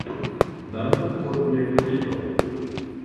Dankon por via vizito.